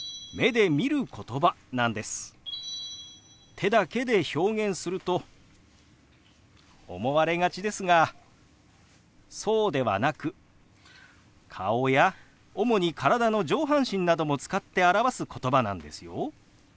手だけで表現すると思われがちですがそうではなく顔や主に体の上半身なども使って表すことばなんですよ。